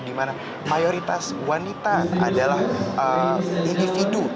di mana mayoritas wanita adalah individu yang memproses hasil tangkap khususnya dari laut